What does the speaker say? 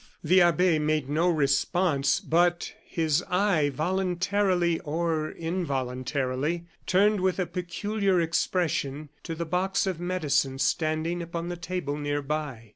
The abbe made no response; but his eye, voluntarily or involuntarily, turned with a peculiar expression to the box of medicine standing upon the table near by.